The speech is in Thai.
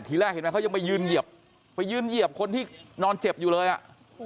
ทีแรกเห็นไหมเขายังไปยืนเหยียบไปยืนเหยียบคนที่นอนเจ็บอยู่เลยอ่ะ